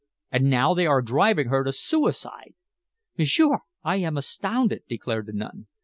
And now they are driving her to suicide!" "M'sieur, I am astounded!" declared the nun.